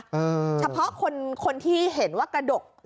เฉพาะคนคนที่เห็นว่ากระดก